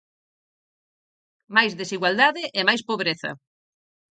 Máis desigualdade e máis pobreza.